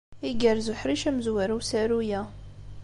Igerrez uḥric amezwaru n usaru-a.